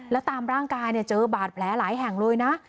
แล้วตามร่างกายเจอบาดแผลหลายแห่งเลยนะ